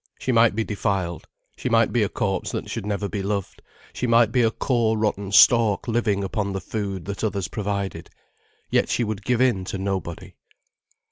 She might be defiled, she might be a corpse that should never be loved, she might be a core rotten stalk living upon the food that others provided; yet she would give in to nobody.